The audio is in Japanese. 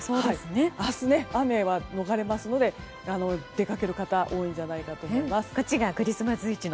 明日、雨は逃れますので出かける方は多いんじゃないかと思います。